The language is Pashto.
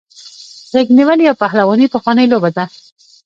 غیږ نیول یا پهلواني پخوانۍ لوبه ده.